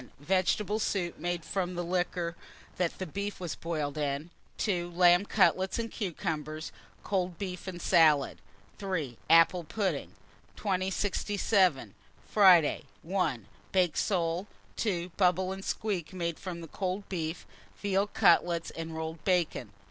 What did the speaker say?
Vegetable soup, made from liquor that beef was boiled in. 2. Lamb cutlets and cucumbers, cold beef and salad. 3. Apple pudding. 2067. Friday. 1. Baked soles. 2. Bubble and squeak, made from cold beef; veal cutlets and rolled bacon.